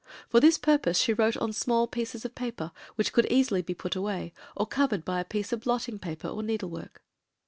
For this purpose she wrote on small pieces of paper, which could easily be put away, or covered by a piece of blotting paper or needlework.